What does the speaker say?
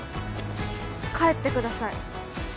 帰ってください